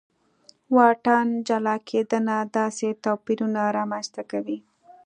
واټن جلا کېدنه داسې توپیرونه رامنځته کوي.